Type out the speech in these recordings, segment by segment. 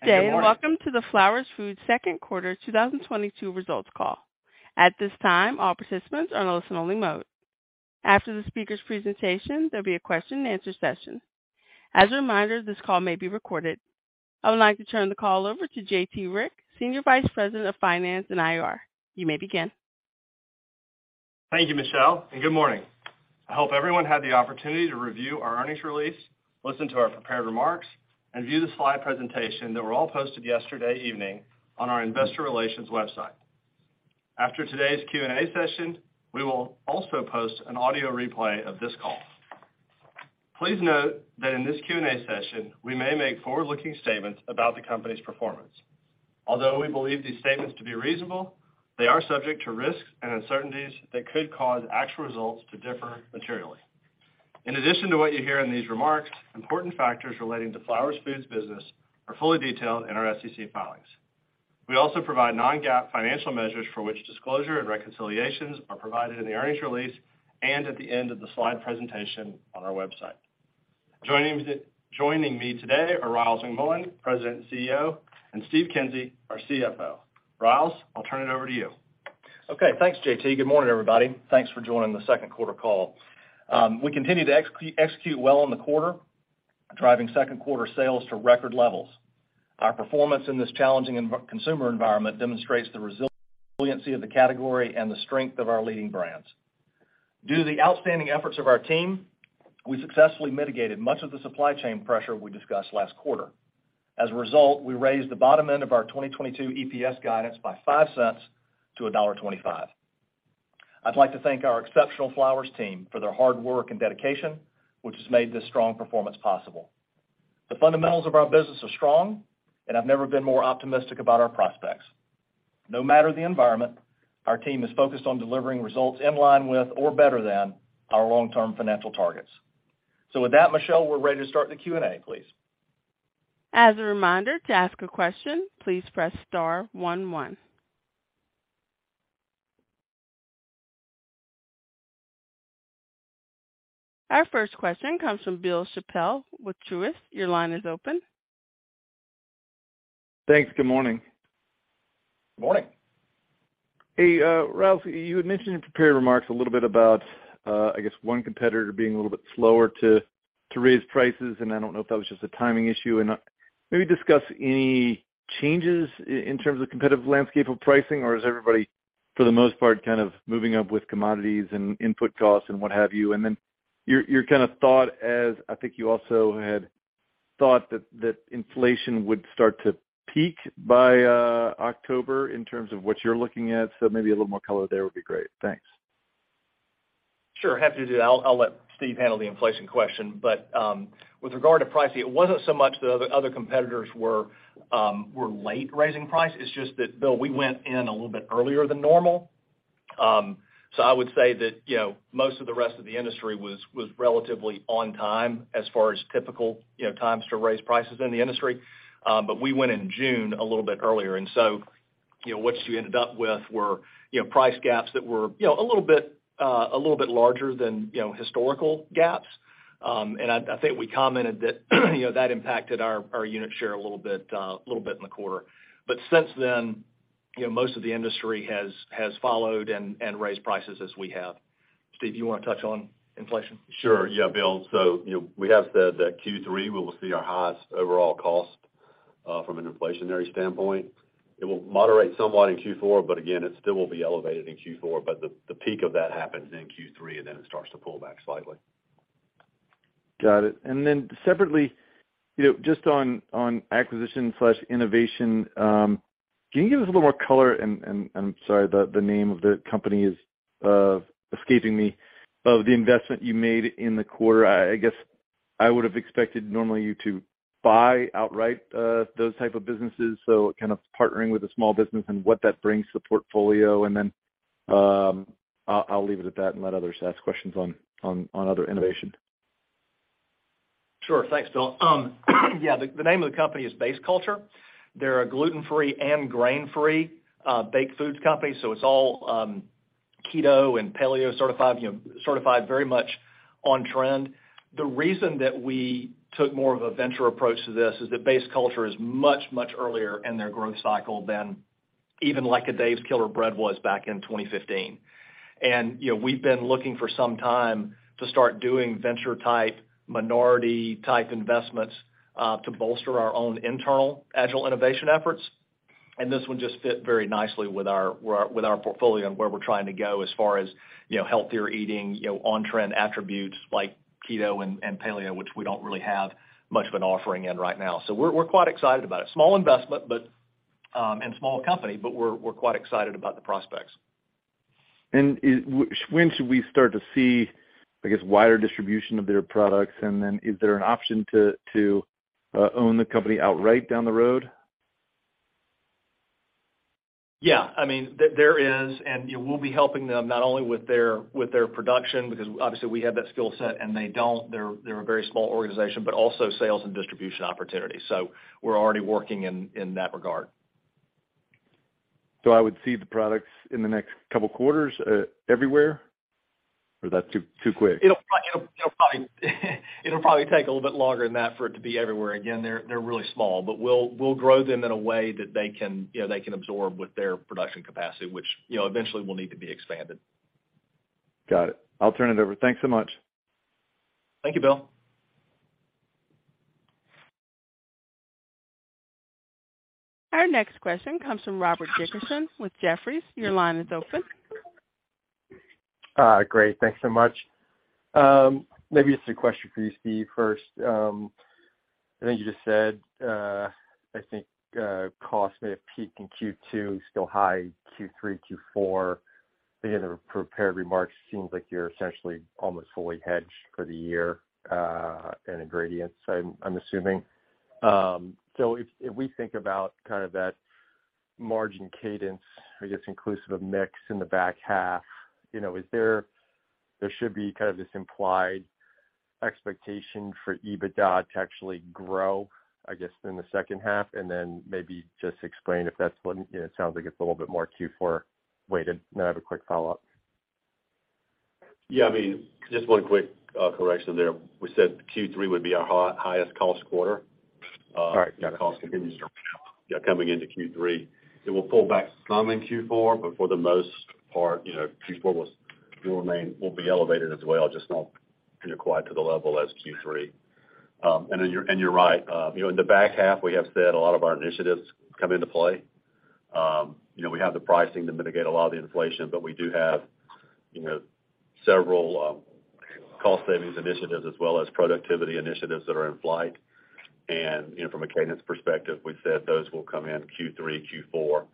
Good day and welcome to the Flowers Foods second quarter 2022 results call. At this time, all participants are in a listen-only mode. After the speaker's presentation, there'll be a question-and-answer session. As a reminder, this call may be recorded. I would like to turn the call over to J.T. Rieck, Senior Vice President of Finance and IR. You may begin. Thank you, Michelle, and good morning. I hope everyone had the opportunity to review our earnings release, listen to our prepared remarks, and view the slide presentation that were all posted yesterday evening on our investor relations website. After today's Q&A session, we will also post an audio replay of this call. Please note that in this Q&A session, we may make forward-looking statements about the company's performance. Although we believe these statements to be reasonable, they are subject to risks and uncertainties that could cause actual results to differ materially. In addition to what you hear in these remarks, important factors relating to Flowers Foods' business are fully detailed in our SEC filings. We also provide non-GAAP financial measures for which disclosure and reconciliations are provided in the earnings release and at the end of the slide presentation on our website. Joining me today are A. Ryals McMullian, President and CEO, and Steve Kinsey, our CFO. A. Ryals, I'll turn it over to you. Okay, thanks, J.T. Good morning, everybody. Thanks for joining the second quarter call. We continue to execute well in the quarter, driving second quarter sales to record levels. Our performance in this challenging consumer environment demonstrates the resiliency of the category and the strength of our leading brands. Due to the outstanding efforts of our team, we successfully mitigated much of the supply chain pressure we discussed last quarter. As a result, we raised the bottom end of our 2022 EPS guidance by $0.05 to $1.25. I'd like to thank our exceptional Flowers team for their hard work and dedication, which has made this strong performance possible. The fundamentals of our business are strong, and I've never been more optimistic about our prospects. No matter the environment, our team is focused on delivering results in line with or better than our long-term financial targets. With that, Michelle, we're ready to start the Q&A, please. As a reminder, to ask a question, please press star-one-one. Our first question comes from Bill Chappell with Truist. Your line is open. Thanks. Good morning. Good morning. Hey, Ryals, you had mentioned in prepared remarks a little bit about, I guess one competitor being a little bit slower to raise prices, and I don't know if that was just a timing issue. Maybe discuss any changes in terms of competitive landscape of pricing, or is everybody, for the most part, kind of moving up with commodities and input costs and what have you? Your kind of thought as I think you also had thought that inflation would start to peak by October in terms of what you're looking at. Maybe a little more color there would be great. Thanks. Sure. Happy to do that. I'll let Steve handle the inflation question, but, with regard to pricing, it wasn't so much the other competitors were late raising price. It's just that, Bill, we went in a little bit earlier than normal. I would say that, you know, most of the rest of the industry was relatively on time as far as typical, you know, times to raise prices in the industry. We went in June a little bit earlier. You know, what you ended up with were, you know, price gaps that were, you know, a little bit larger than, you know, historical gaps. I think we commented that, you know, that impacted our unit share a little bit in the quarter. Since then, you know, most of the industry has followed and raised prices as we have. Steve, you want to touch on inflation? Sure, yeah, Bill. You know, we have said that Q3 will see our highest overall cost from an inflationary standpoint. It will moderate somewhat in Q4, but again, it still will be elevated in Q4. The peak of that happens in Q3, and then it starts to pull back slightly. Got it. Then separately, you know, just on acquisition/innovation, can you give us a little more color, and I'm sorry the name of the company is escaping me, of the investment you made in the quarter? I guess I would have expected normally you to buy outright those type of businesses, so kind of partnering with a small business and what that brings to the portfolio. Then I'll leave it at that and let others ask questions on other innovation. Sure. Thanks, Bill. Yeah, the name of the company is Base Culture. They're a gluten-free and grain-free baked foods company, so it's all keto and paleo certified, you know, very much on trend. The reason that we took more of a venture approach to this is that Base Culture is much earlier in their growth cycle than even like a Dave's Killer Bread was back in 2015. You know, we've been looking for some time to start doing venture type, minority type investments to bolster our own internal agile innovation efforts. This one just fit very nicely with our portfolio and where we're trying to go as far as, you know, healthier eating, you know, on trend attributes like keto and paleo, which we don't really have much of an offering in right now. We're quite excited about it. Small investment, but a small company, but we're quite excited about the prospects. When should we start to see, I guess, wider distribution of their products? Then is there an option to own the company outright down the road? Yeah, I mean, there is, and you know, we'll be helping them not only with their production, because obviously we have that skill set and they don't. They're a very small organization, but also sales and distribution opportunities. We're already working in that regard. I would see the products in the next couple quarters everywhere? Is that too quick? It'll probably take a little bit longer than that for it to be everywhere. Again, they're really small, but we'll grow them in a way that they can, you know, absorb with their production capacity, which, you know, eventually will need to be expanded. Got it. I'll turn it over. Thanks so much. Thank you, Bill. Our next question comes from Robert Dickerson with Jefferies. Your line is open. Great. Thanks so much. Maybe this is a question for you, Steve, first. I think you just said costs may have peaked in Q2, still high Q3, Q4. Again, the prepared remarks seems like you're essentially almost fully hedged for the year in ingredients, I'm assuming. If we think about kind of that margin cadence, I guess inclusive of mix in the back half, you know, there should be kind of this implied expectation for EBITDA to actually grow, I guess, in the second half, and then maybe just explain it sounds like it's a little bit more Q4 weighted. I have a quick follow-up. Yeah, I mean, just one quick correction there. We said Q3 would be our highest cost quarter. Cost continues to run up, yeah, coming into Q3. It will pull back some in Q4, but for the most part, you know, Q4 will be elevated as well, just not, you know, quite to the level as Q3. You're right. You know, in the back half, we have said a lot of our initiatives come into play. You know, we have the pricing to mitigate a lot of the inflation, but we do have, you know, several cost savings initiatives as well as productivity initiatives that are in flight. You know, from a cadence perspective, we've said those will come in Q3, Q4.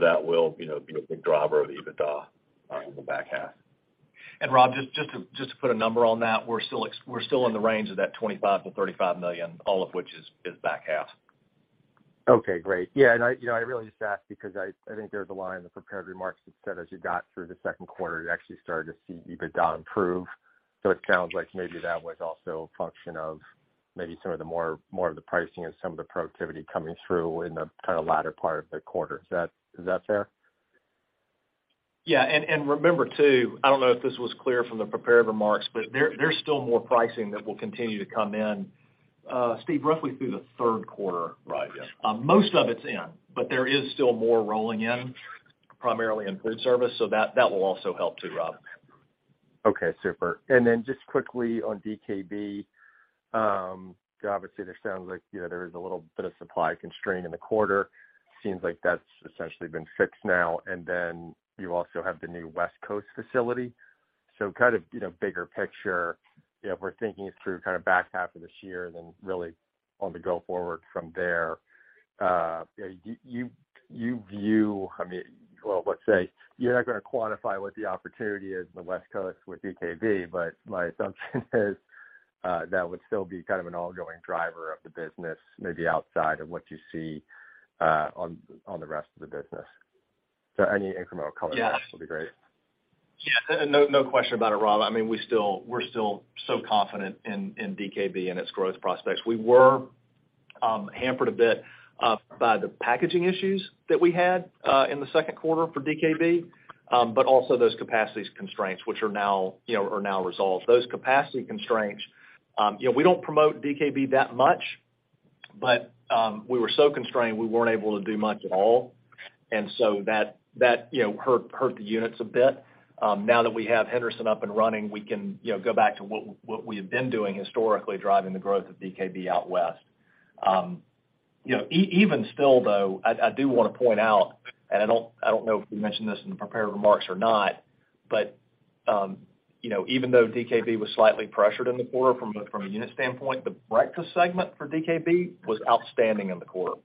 That will, you know, be a big driver of EBITDA in the back half. Rob, just to put a number on that, we're still in the range of that $25 million-$35 million, all of which is back half. Okay, great. Yeah, I, you know, I really just asked because I think there's a line in the prepared remarks that said, as you got through the second quarter, you actually started to see EBITDA improve. It sounds like maybe that was also a function of maybe some of the more of the pricing and some of the productivity coming through in the kind of latter part of the quarter. Is that fair? Yeah, remember too, I don't know if this was clear from the prepared remarks, but there's still more pricing that will continue to come in, Steve, roughly through the third quarter. Right, yes. Most of it's in, but there is still more rolling in, primarily in food service. That will also help too, Rob. Okay, super. Then just quickly on DKB, obviously this sounds like, you know, there was a little bit of supply constraint in the quarter. Seems like that's essentially been fixed now. Then you also have the new West Coast facility. Kind of, you know, bigger picture, you know, if we're thinking through kind of back half of this year and then really on the go forward from there, you view, I mean, well, let's say, you're not going to quantify what the opportunity is in the West Coast with DKB, but my assumption is, that would still be kind of an ongoing driver of the business, maybe outside of what you see on the rest of the business. Any incremental color on that would be great. Yeah, no question about it, Rob. I mean, we're still so confident in DKB and its growth prospects. We were hampered a bit by the packaging issues that we had in the second quarter for DKB, but also those capacity constraints, which are now resolved. Those capacity constraints, you know, we don't promote DKB that much, but we were so constrained, we weren't able to do much at all. That hurt the units a bit. Now that we have Henderson up and running, we can, you know, go back to what we have been doing historically, driving the growth of DKB out west. Even still, though, I do want to point out, and I don't know if we mentioned this in the prepared remarks or not, but you know, even though DKB was slightly pressured in the quarter from a unit standpoint, the breakfast segment for DKB was outstanding in the quarter.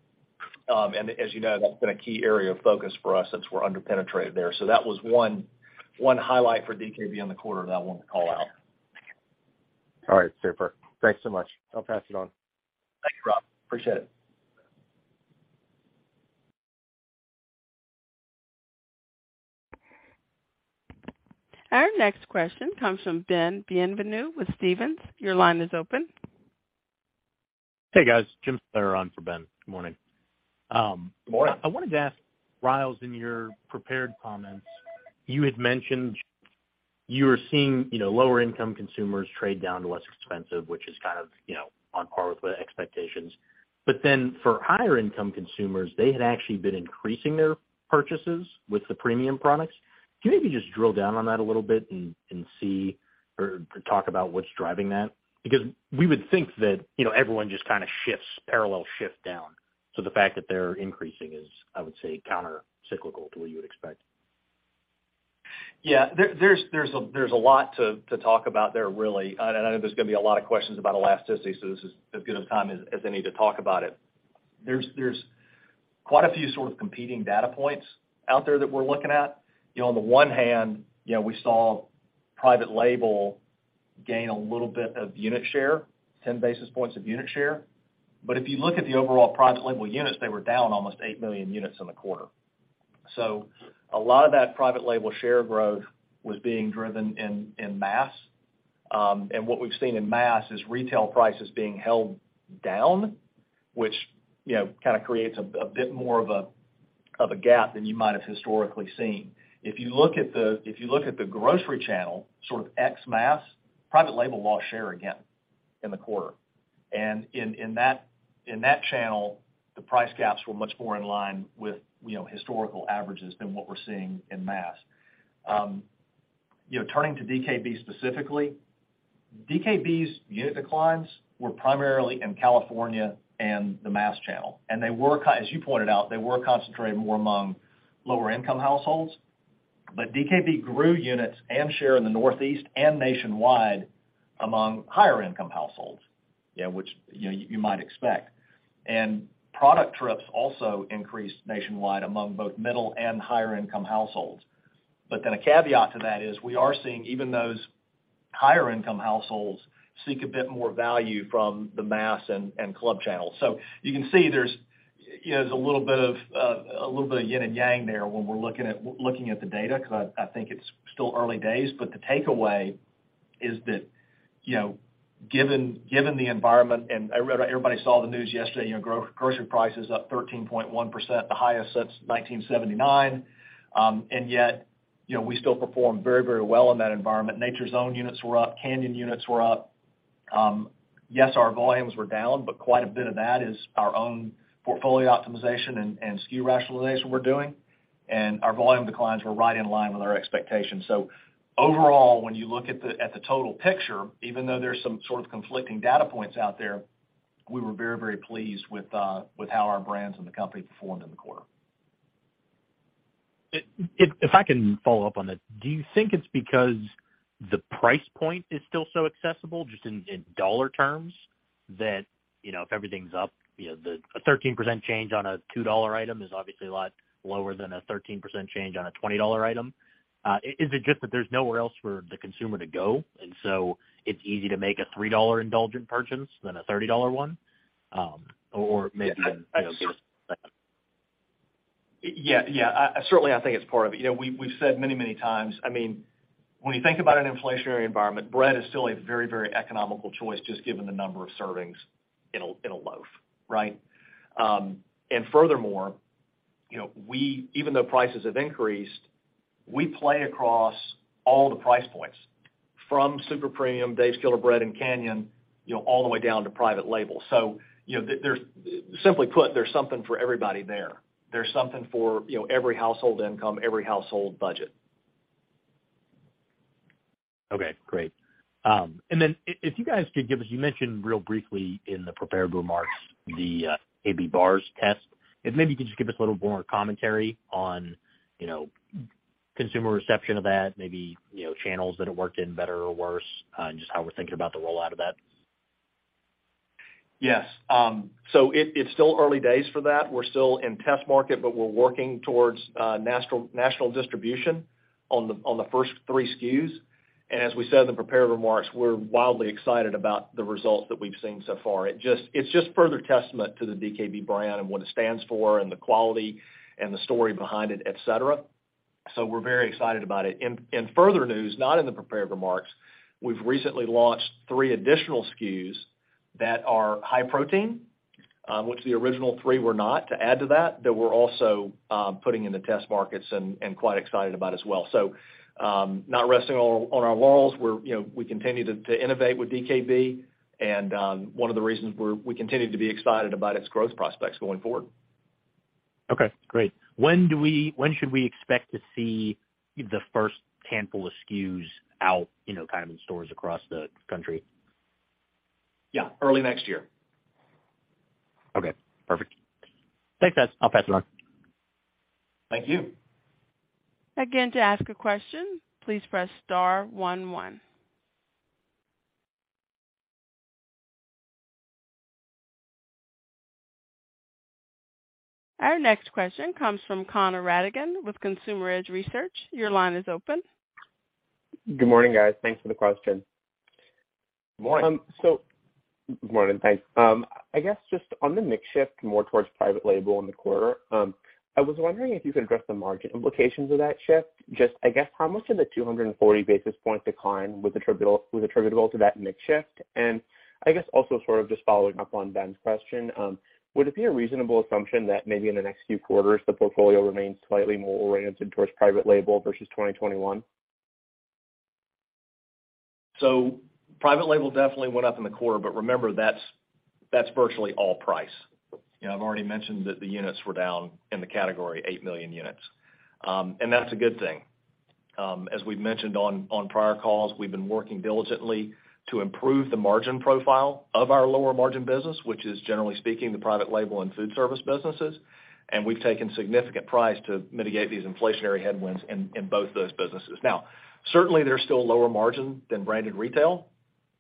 As you know, that's been a key area of focus for us since we're under-penetrated there. That was one highlight for DKB in the quarter that I wanted to call out. All right. Super. Thanks so much. I'll pass it on. Thank you, Rob. Appreciate it. Our next question comes from Ben Bienvenu with Stephens. Your line is open. Hey, guys. Jim Salera on for Ben. Good morning. Good morning. I wanted to ask, Ryals, in your prepared comments, you had mentioned you were seeing, you know, lower income consumers trade down to less expensive, which is kind of, you know, on par with the expectations. But then for higher income consumers, they had actually been increasing their purchases with the premium products. Can you maybe just drill down on that a little bit and see or talk about what's driving that? Because we would think that, you know, everyone just kind of shifts, parallel shift down. So the fact that they're increasing is, I would say, countercyclical to what you would expect. Yeah. There's a lot to talk about there, really. I know there's going to be a lot of questions about elasticity, so this is as good of time as any to talk about it. There's quite a few sort of competing data points out there that we're looking at. You know, on the one hand, you know, we saw private label gain a little bit of unit share, 10 basis points of unit share. If you look at the overall private label units, they were down almost 8 million units in the quarter. A lot of that private label share growth was being driven in mass. What we've seen in mass is retail prices being held down, which, you know, kind of creates a bit more of a gap than you might have historically seen. If you look at the grocery channel, sort of ex mass, private label lost share again in the quarter. In that channel, the price gaps were much more in line with, you know, historical averages than what we're seeing in mass. You know, turning to DKB specifically, DKB's unit declines were primarily in California and the mass channel, and they were, as you pointed out, concentrated more among lower income households. DKB grew units and share in the Northeast and nationwide among higher income households, yeah, which, you know, you might expect. Product trips also increased nationwide among both middle and higher income households. A caveat to that is we are seeing even those higher income households seek a bit more value from the mass and club channels. You can see there's, you know, a little bit of yin and yang there when we're looking at the data, because I think it's still early days. The takeaway is that, you know, given the environment, and everybody saw the news yesterday, you know, grocery prices up 13.1%, the highest since 1979. Yet, you know, we still performed very well in that environment. Nature's Own units were up, Canyon units were up. Yes, our volumes were down, but quite a bit of that is our own portfolio optimization and SKU rationalization we're doing. Our volume declines were right in line with our expectations. Overall, when you look at the total picture, even though there's some sort of conflicting data points out there, we were very, very pleased with how our brands and the company performed in the quarter. If I can follow up on that, do you think it's because the price point is still so accessible, just in dollar terms, that, you know, if everything's up, you know, the 13% change on a $2 item is obviously a lot lower than a 13% change on a $20 item. Is it just that there's nowhere else for the consumer to go, and so it's easy to make a $3 indulgent purchase than a $30 one? Yeah. Yeah. Certainly, I think it's part of it. You know, we've said many times, I mean, when you think about an inflationary environment, bread is still a very economical choice, just given the number of servings in a loaf, right? Furthermore, you know, even though prices have increased, we play across all the price points, from super premium Dave's Killer Bread and Canyon, you know, all the way down to private label. You know, simply put, there's something for everybody there. There's something for, you know, every household income, every household budget. Okay, great. If you guys could give us, you mentioned real briefly in the prepared remarks, the DKB bars test. If maybe you could just give us a little more commentary on, you know, consumer reception of that, maybe, you know, channels that it worked in better or worse, and just how we're thinking about the rollout of that. Yes. So it's still early days for that. We're still in test market, but we're working towards national distribution on the first three SKUs. As we said in the prepared remarks, we're wildly excited about the results that we've seen so far. It's just further testament to the DKB brand and what it stands for and the quality and the story behind it, et cetera. We're very excited about it. In further news, not in the prepared remarks, we've recently launched three additional SKUs that are high protein, which the original three were not, to add to that that we're also putting in the test markets and quite excited about as well. Not resting on our laurels. You know, we continue to innovate with DKB and one of the reasons we continue to be excited about its growth prospects going forward. Okay, great. When should we expect to see the first handful of SKUs out, you know, kind of in stores across the country? Yeah, early next year. Okay, perfect. Thanks, guys. I'll pass it on. Thank you. Again, to ask a question, please press star-one-one. Our next question comes from Connor Rattigan with Consumer Edge Research. Your line is open. Good morning, guys. Thanks for the question. Good morning. Good morning. Thanks. I guess, just on the mix shift more towards private label in the quarter, I was wondering if you could address the margin implications of that shift. Just, I guess, how much of the 240 basis point decline was attributable to that mix shift? I guess also sort of just following up on Ben's question, would it be a reasonable assumption that maybe in the next few quarters, the portfolio remains slightly more oriented towards private label versus 2021? Private label definitely went up in the quarter, but remember that's virtually all price. You know, I've already mentioned that the units were down in the category 8 million units. That's a good thing. As we've mentioned on prior calls, we've been working diligently to improve the margin profile of our lower margin business, which is, generally speaking, the private label and food service businesses. We've taken significant price to mitigate these inflationary headwinds in both those businesses. Now, certainly, they're still lower margin than branded retail,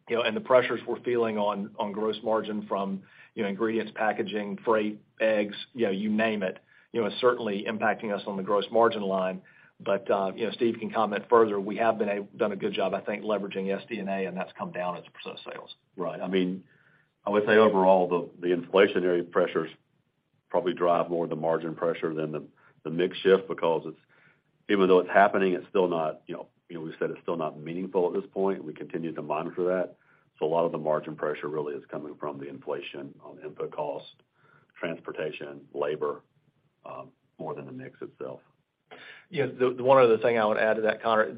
you know, and the pressures we're feeling on gross margin from you know, ingredients, packaging, freight, eggs, you know, you name it, you know, certainly impacting us on the gross margin line. You know, Steve can comment further. We have done a good job, I think, leveraging SG&A, and that's come down as a percent of sales. Right. I mean, I would say overall, the inflationary pressures, probably drive more of the margin pressure than the mix shift because it's even though it's happening, you know, we said it's still not meaningful at this point. We continue to monitor that. A lot of the margin pressure really is coming from the inflation on input cost, transportation, labor, more than the mix itself. You know, the one other thing I would add to that, Connor,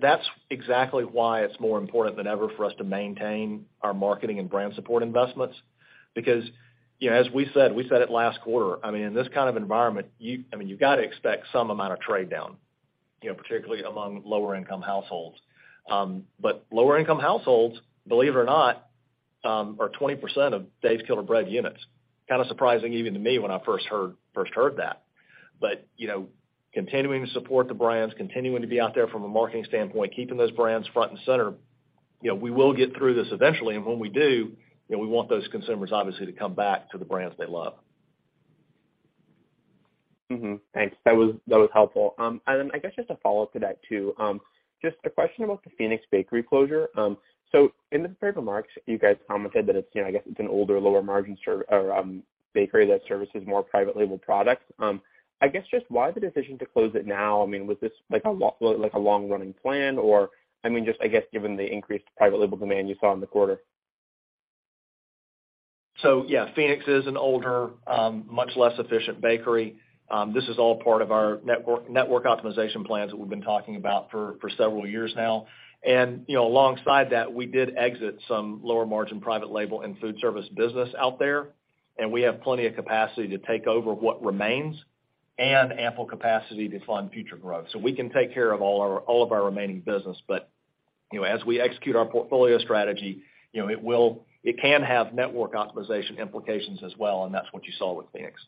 that's exactly why it's more important than ever for us to maintain our marketing and brand support investments. Because, you know, as we said, we said it last quarter, I mean, in this kind of environment, I mean, you've got to expect some amount of trade down, you know, particularly among lower income households. But lower income households, believe it or not, are 20% of Dave's Killer Bread units. Kind of surprising even to me when I first heard that. But, you know, continuing to support the brands, continuing to be out there from a marketing standpoint, keeping those brands front and center, you know, we will get through this eventually. When we do, you know, we want those consumers obviously to come back to the brands they love. Thanks. That was helpful. I guess just a follow-up to that too, just a question about the Phoenix bakery closure. In the prepared remarks, you guys commented that it's, you know, I guess it's an older, lower margin bakery that services more private label products. I guess just why the decision to close it now? I mean, was this like a long running plan? I mean, just I guess given the increased private label demand you saw in the quarter. Yeah, Phoenix is an older, much less efficient bakery. This is all part of our network optimization plans that we've been talking about for several years now. You know, alongside that, we did exit some lower margin private label and food service business out there, and we have plenty of capacity to take over what remains and ample capacity to fund future growth. We can take care of all of our remaining business. You know, as we execute our portfolio strategy, you know, it can have network optimization implications as well, and that's what you saw with Phoenix.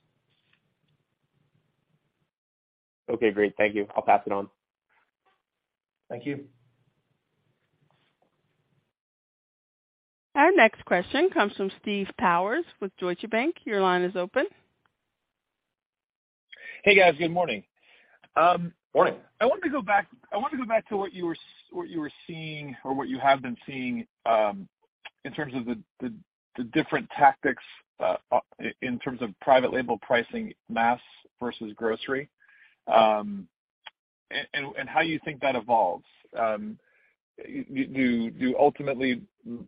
Okay, great. Thank you. I'll pass it on. Thank you. Our next question comes from Steve Powers with Deutsche Bank. Your line is open. Hey, guys. Good morning. Morning. I want to go back to what you have been seeing in terms of the different tactics in terms of private label pricing mass versus grocery, and how you think that evolves. Do ultimately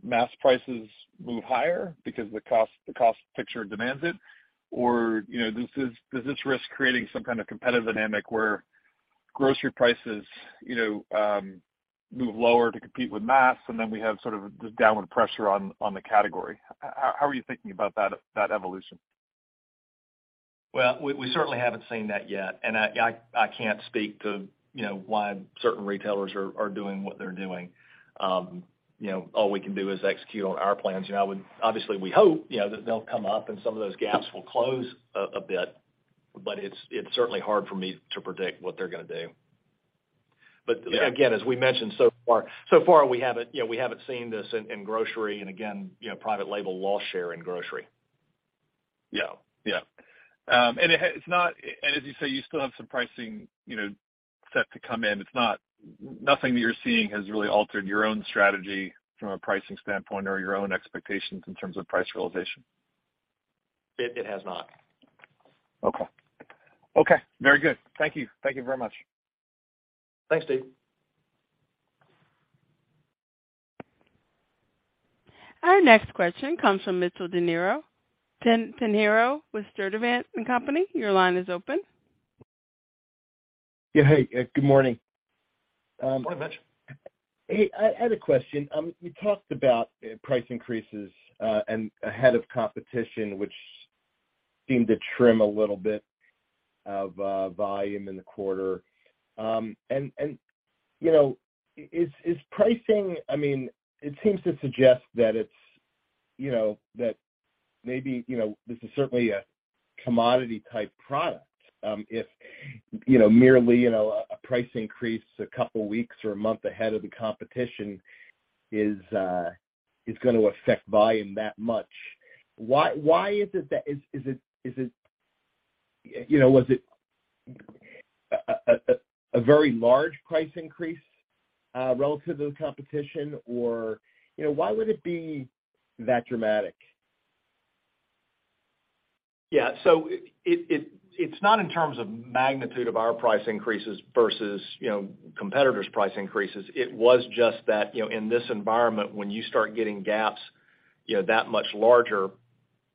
mass prices move higher because the cost picture demands it? You know, does this risk creating some kind of competitive dynamic where grocery prices you know move lower to compete with mass, and then we have sort of the downward pressure on the category? How are you thinking about that evolution? Well, we certainly haven't seen that yet, and I can't speak to, you know, why certain retailers are doing what they're doing. You know, all we can do is execute on our plans. You know, obviously we hope, you know, that they'll come up and some of those gaps will close a bit, but it's certainly hard for me to predict what they're going to do. Again, as we mentioned so far, we haven't, you know, seen this in grocery and again, you know, private label lost share in grocery. Yeah. It's not, and as you say, you still have some pricing, you know, set to come in. Nothing that you're seeing has really altered your own strategy from a pricing standpoint or your own expectations in terms of price realization? It has not. Okay. Very good. Thank you very much. Thanks, Steve. Our next question comes from Mitchell Pinheiro with Sturdivant & Company. Your line is open. Yeah. Hey, good morning. Morning, Mitch. Hey, I had a question. You talked about price increases and ahead of competition, which seemed to trim a little bit of volume in the quarter. You know, is pricing? I mean, it seems to suggest that it's, you know, that maybe, you know, this is certainly a commodity type product. If, you know, merely, you know, a price increase a couple weeks or a month ahead of the competition is going to affect volume that much, why is it that? You know, was it a very large price increase relative to the competition? You know, why would it be that dramatic? Yeah. It's not in terms of magnitude of our price increases versus, you know, competitors' price increases. It was just that, you know, in this environment, when you start getting gaps, you know, that much larger,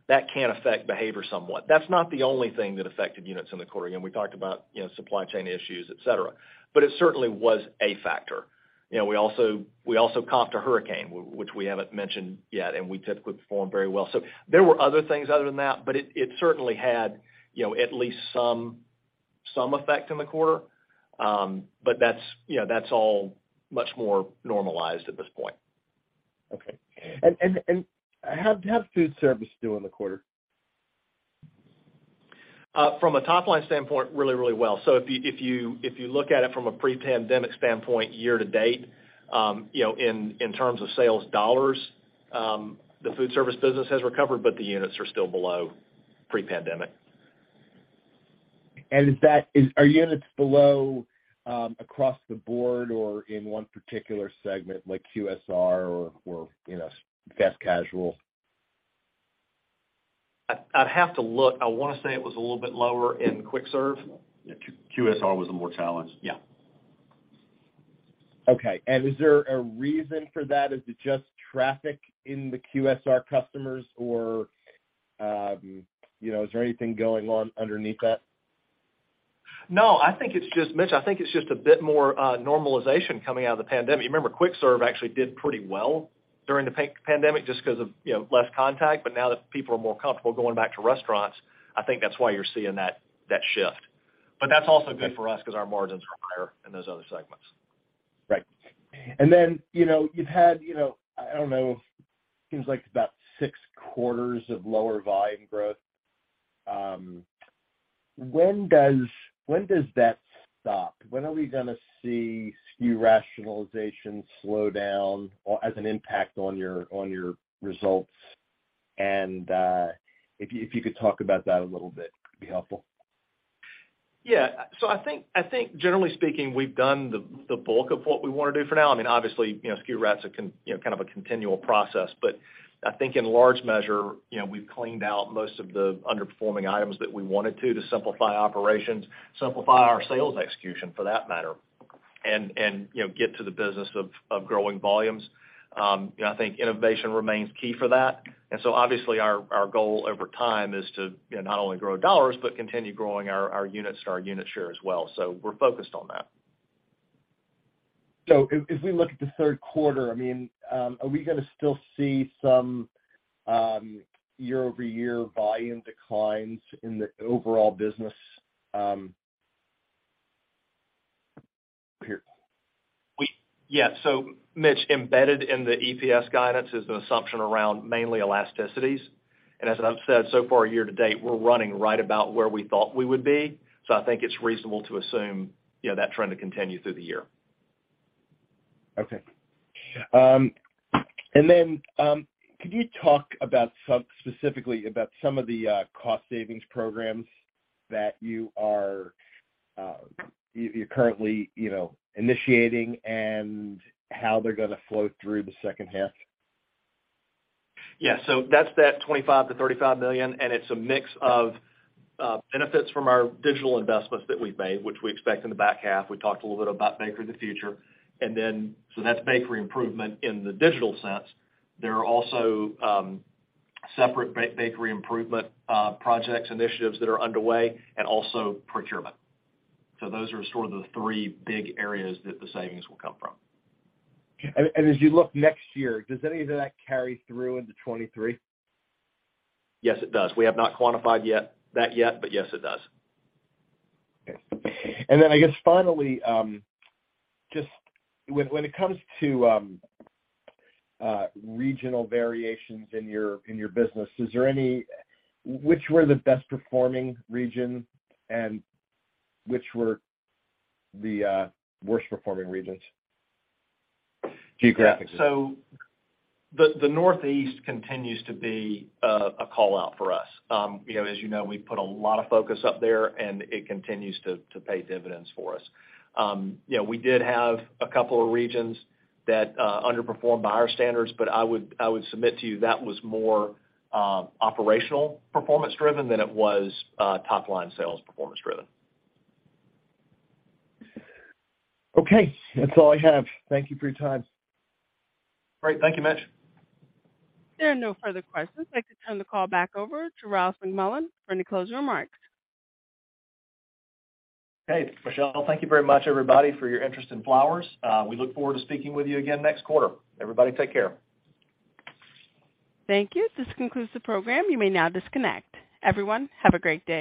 that can affect behavior somewhat. That's not the only thing that affected units in the quarter. Again, we talked about, you know, supply chain issues, et cetera. It certainly was a factor. You know, we also got a hurricane, which we haven't mentioned yet, and we typically perform very well. There were other things other than that, but it certainly had, you know, at least some effect in the quarter. That's all much more normalized at this point. Okay. How is food service doing in the quarter? From a top line standpoint, really well. If you look at it from a pre-pandemic standpoint year-to-date, you know, in terms of sales dollars, the food service business has recovered, but the units are still below pre-pandemic. Are units below across the board or in one particular segment like QSR or, you know, fast casual? I'd have to look. I want to say it was a little bit lower in quick serve. Yeah, QSR was more challenged. Yeah. Okay. Is there a reason for that? Is it just traffic in the QSR customers or, you know, is there anything going on underneath that? No, I think it's just Mitch, I think it's just a bit more normalization coming out of the pandemic. Remember, quick serve actually did pretty well during the pandemic just because of, you know, less contact. Now that people are more comfortable going back to restaurants, I think that's why you're seeing that shift. That's also good for us because our margins are higher in those other segments. Right. you know, you've had, you know, I don't know, seems like about six quarters of lower volume growth. When does that stop? When are we going to see SKU rationalization slow down or has an impact on your results? If you could talk about that a little bit, it'd be helpful. Yeah. I think generally speaking, we've done the bulk of what we want to do for now. I mean, obviously, you know, SKU rationalization's a continual process. I think in large measure, you know, we've cleaned out most of the underperforming items that we wanted to simplify operations, simplify our sales execution for that matter, and you know, get to the business of growing volumes. You know, I think innovation remains key for that. Obviously our goal over time is to, you know, not only grow dollars, but continue growing our units and our unit share as well. We're focused on that. If we look at the third quarter, I mean, are we going to still see some year-over-year volume declines in the overall business? Yeah, Mitch, embedded in the EPS guidance is an assumption around mainly elasticities. As I've said, so far year to date, we're running right about where we thought we would be. I think it's reasonable to assume, you know, that trend to continue through the year. Okay. Could you talk about specifically about some of the cost savings programs that you're currently, you know, initiating and how they're going to flow through the second half? Yeah. That's that $25 million-$35 million, and it's a mix of benefits from our digital investments that we've made, which we expect in the back half. We talked a little bit about Bakery of the Future. That's bakery improvement in the digital sense. There are also separate bakery improvement projects initiatives that are underway and also procurement. Those are sort of the three big areas that the savings will come from. As you look next year, does any of that carry through into 2023? Yes, it does. We have not quantified yet, but yes, it does. Okay. I guess finally, just when it comes to regional variations in your business, which were the best performing region and which were the worst performing regions, geographies? The Northeast continues to be a call-out for us. You know, as you know, we've put a lot of focus up there, and it continues to pay dividends for us. You know, we did have a couple of regions that underperformed by our standards, but I would submit to you that was more operational performance driven than it was top line sales performance driven. Okay. That's all I have. Thank you for your time. Great. Thank you, Mitch. There are no further questions. I'd like to turn the call back over to Ryals McMullian for any closing remarks. Hey, Michelle. Thank you very much, everybody, for your interest in Flowers. We look forward to speaking with you again next quarter. Everybody take care. Thank you. This concludes the program. You may now disconnect. Everyone, have a great day.